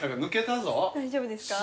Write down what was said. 大丈夫ですか？